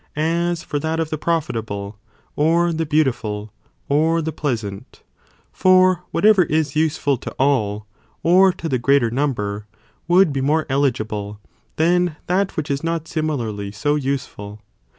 as for that of the profitable, or' bie is pred the beautiful, or the pleasant, for whatever is na o useful to all or to the greater number, would be more eligible than that which is not similarly (so useful).